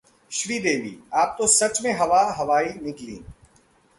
श्रीदेवी... आप तो सच में हवा हवाई निकलीं!